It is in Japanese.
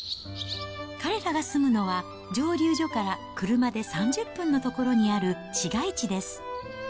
彼らが住むのは、蒸留所から車で３０分の所にある市街地です。